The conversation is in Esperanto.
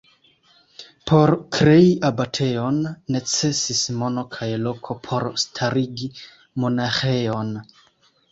Por krei abatejon, necesis mono kaj loko por starigi monaĥejon.